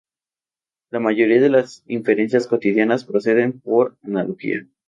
La mayoría de las inferencias cotidianas, proceden por analogía.